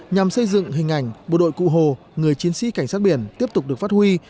nhằm xây dựng hình ảnh bộ đội cụ hồ người chiến sĩ cảnh sát biển tiếp tục được phát huy